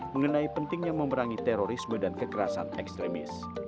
mengenai pentingnya memerangi terorisme dan kekerasan ekstremis